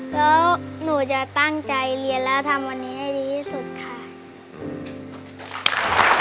แล้วหนูจะตั้งใจเรียนแล้วทำวันนี้ให้ดีที่สุดค่ะ